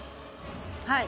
はい。